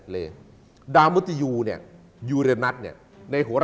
ล้มกระดานดิ